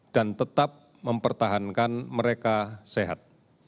dan tetap mempertahankan mereka sehat